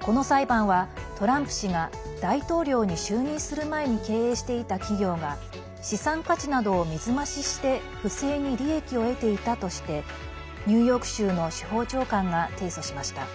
この裁判は、トランプ氏が大統領に就任する前に経営していた企業が資産価値などを水増しして不正に利益を得ていたとしてニューヨーク州の司法長官が提訴しました。